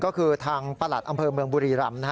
ก็คือทางประหลัดอำเภอเมืองบุรีรำ